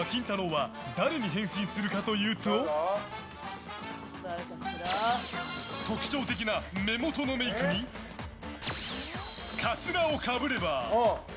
は誰に変身するかというと特徴的な目元のメイクにかつらをかぶれば。